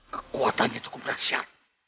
kekuatannya cukup dahsyat